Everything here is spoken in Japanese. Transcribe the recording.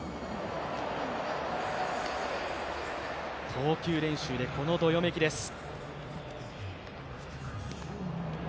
投球練習でこのどよめきです。